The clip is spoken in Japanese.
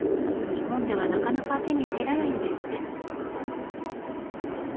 日本ではなかなか手に入らないんですって。